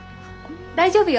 大丈夫よ。